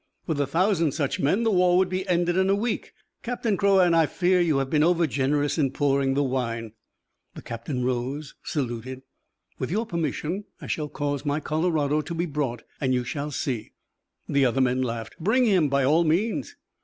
With a thousand such men, the war would be ended in a week. Captain Crouan, I fear you have been overgenerous in pouring the wine." The captain rose, saluted. "With your permission, I shall cause my Colorado to be brought and you shall see." The other men laughed. "Bring him, by all means."